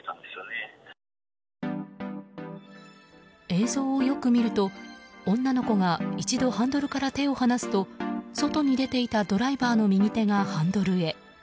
映像をよく見ると、女の子が一度ハンドルから手を離すと外に出ていたドライバーの右手がハンドルへ。